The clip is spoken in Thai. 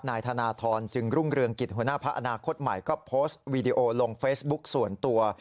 นายธนทรจึงรุ่งเรืองกิจหัวหน้าพักอนาคตใหม่ก็โพสต์วีดีโอลงเฟซบุ๊กส่วนตัว